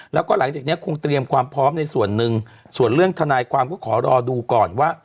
แล้วก็หลังจากนี้คงเตรียมความพร้อมในส่วนหนึ่งส่วนเรื่องทนายความก็ขอรอดูก่อนว่า